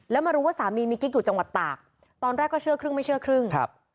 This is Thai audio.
แล้วมารู้ว่าสามีมีกิ๊กอยู่จังหวัดตากตอนแรกก็เชื่อครึ่งไม่เชื่อครึ่งครับ